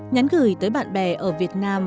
nhắn gửi tới bạn bè ở việt nam